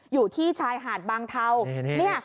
อยู่ที่ชายหาดบางเทาเนี่ย